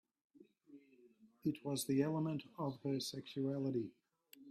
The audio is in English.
It was an element of her sexuality.